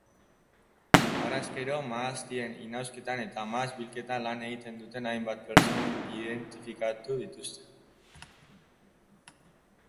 Harrezkero, mahastien inausketan eta mahats-bilketan lan egiten duten hainbat pertsona identifikatu dituzte.